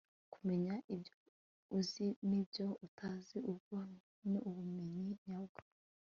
kumenya ibyo uzi nibyo utazi, ubwo ni ubumenyi nyabwo